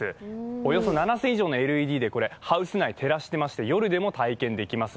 およそ７０００以上のＬＥＤでハウス内を照らしてまして夜でも体験できます。